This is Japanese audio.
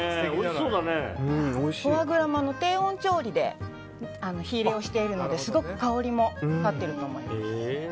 フォアグラも低温調理で火入れをしているのですごく香りも立っていると思います。